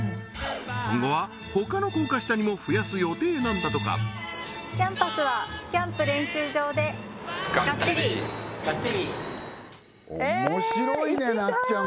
今後は他の高架下にも増やす予定なんだとか面白いねなっちゃん